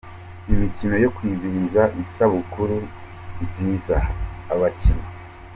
Imikino yo kwizihiza isabukuru nziza abakinnyi